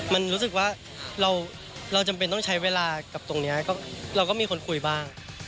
มันรู้สึกว่าเราจำเป็นต้องใช้เวลากับตรงนี้เราก็มีคนคุยบ้าง